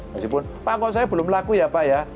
meskipun pak kalau saya belum laku ya pak ya